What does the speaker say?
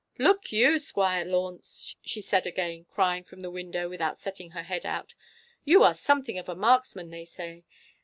'Look you, Squire Launce,' she said again, crying from the window without setting her head out, 'you are something of a marksman, they say.